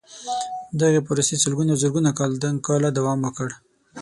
دغې پروسې سلګونه او زرګونه کاله دوام وکړ.